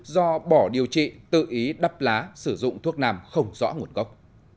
do bỏ điều trị tự ý đắp lá sử dụng thuốc nam không rõ nguồn gốc